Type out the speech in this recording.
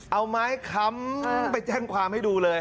เอาไม้ค้ำไปแจ้งความให้ดูเลย